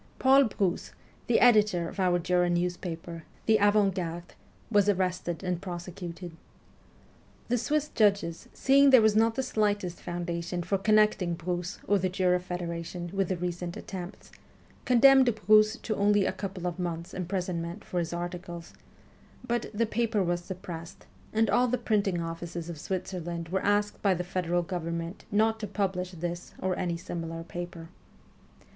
Paul Brousse, the editor of our Jura news paper, the ' Avant Garde,' was arrested and prosecuted. The Swiss judges, seeing there was not the slightest foundation for connecting Brousse or the Jura Federa tion with the recent attempts, condemned Brousse to only a couple of months' imprisonment for his articles ; but the paper was suppressed, and all the printing offices of Switzerland were asked by the v federal government not to publish this or any similar paper.